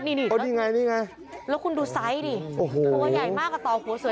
นี่แล้วคุณดูไซส์ดิตัวใหญ่มากกับต่อหัวเสื้อ